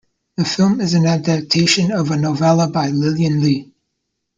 The film is an adaptation of a novella by Lillian Lee.